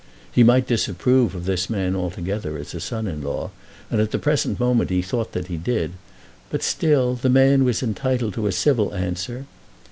He might disapprove of this man altogether as a son in law, and at the present moment he thought that he did, but still the man was entitled to a civil answer.